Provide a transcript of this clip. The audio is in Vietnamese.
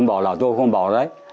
ông bảo là tôi không bảo đấy